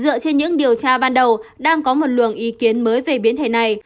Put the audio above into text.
dựa trên những điều tra ban đầu đang có một lượng hiệu quả